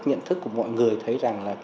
nhận thức của mọi người thấy rằng là